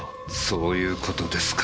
そういう事ですか。